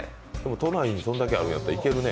都内にそれだけあるんだったら行けるね。